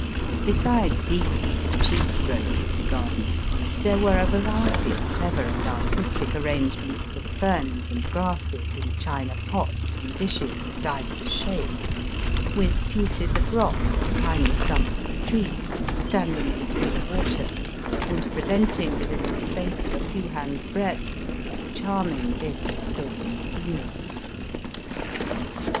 Besides these, the chief growth of the garden, there were a variety of clever and artistic arrangements of ferns and grasses in china pots and dishes of divers shape, with pieces of rock or tiny stumps of trees standing in cool water, and presenting within the space of a few hands' breadth a charming bit of sylvan scenery.